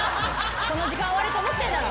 この時間終われと思ってんだろ！